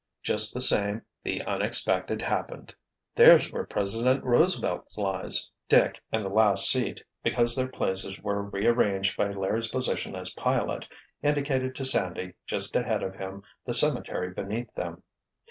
Just the same the unexpected happened! "There's where President Roosevelt lies," Dick, in the last seat, because their places were rearranged by Larry's position as pilot, indicated to Sandy, just ahead of him, the cemetery beneath them.